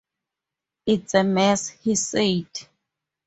“It’s a mess!” he said.